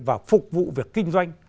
và phục vụ việc kinh doanh